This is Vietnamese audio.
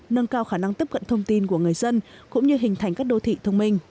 nâng cao khả năng tiếp cận thông tin của người dân cũng như hình thành các đô thị thông minh